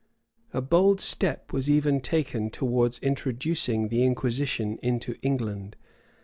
A bold step was even taken towards introducing the inquisition into England.